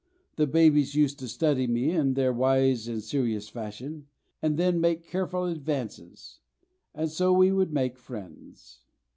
The babies used to study me in their wise and serious fashion, and then make careful advances. And so we would make friends.